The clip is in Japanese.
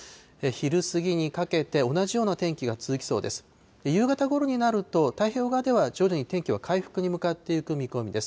昼過ぎにかけて、同じような天気が続きそうです。